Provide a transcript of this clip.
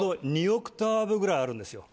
２オクターブぐらいあるんですよ